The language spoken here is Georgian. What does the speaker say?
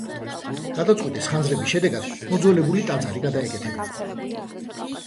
გადაწყვიტეს ხანძრების შედეგად მოძველებული ტაძარი გადაეკეთებინათ.